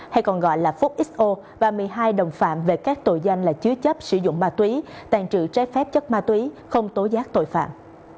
hay còn gọi là phúc xo và một mươi hai đồng phạm về các tội danh là chứa chấp sử dụng ma túy tàn trự trái phép chất ma túy không tố giác tội phạm